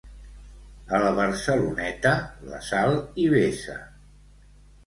A la Barceloneta, la sal hi vessa.